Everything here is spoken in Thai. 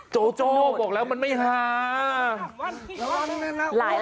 โจโจ้บอกแล้วมันไม่ฮา